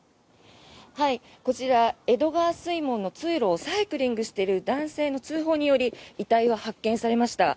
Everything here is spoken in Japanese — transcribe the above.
こちら江戸川水門の通路をサイクリングしている男性の通報により遺体は発見されました。